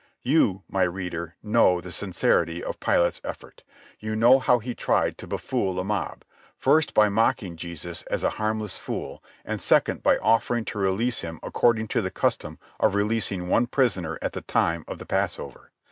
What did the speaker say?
You, my reader, know the sincerity of Pilate's effort. You know how he tried to befool the mob, first by mocking Jesus as a harmless fool; and second by offering to release him according to the custom of releasing one prisoner at time of the Passover.